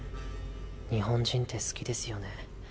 日本人って好きですよね